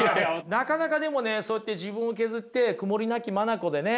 なかなかでもねそうやって自分を削って曇りなき眼でね